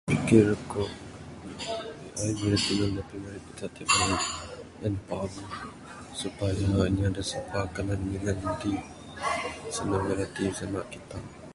[unintelligible] sanang mirati sanda kita.